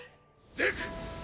デク！